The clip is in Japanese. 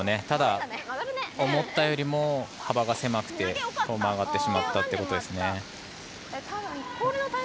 ただ、思ったよりも幅が狭くて曲がってしまったということです。